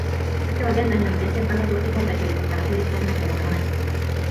時は現在において瞬間の同時存在ということから成立せなければならない。